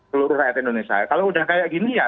seluruh rakyat indonesia kalau udah kayak gini ya